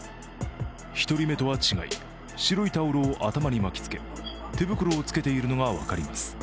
１人目とは違い、白いタオルを頭に巻きつけ、手袋を着けているのが分かります。